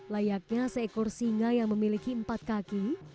layaknya seekor singa yang memiliki empat kaki